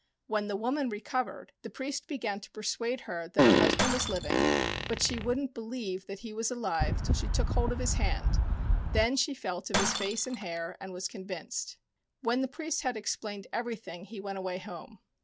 When the woman recovered, the priest began to persuade her that her husband was living, but she wouldn't believe that he was alive till she took hold of his hand : then she felt of his face and hair and was convinced. When the priest had explained everything he went away home.